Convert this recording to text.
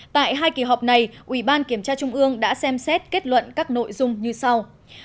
tại hai kỳ họp này ủy ban kiểm tra trung ương đã xem xét kết luận các nội dung như sau